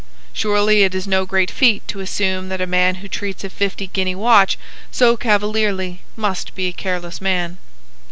Surely it is no great feat to assume that a man who treats a fifty guinea watch so cavalierly must be a careless man.